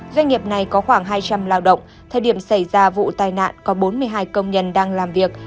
doanh nghiệp này có khoảng hai trăm linh lao động thời điểm xảy ra vụ tai nạn có bốn mươi hai công nhân đang làm việc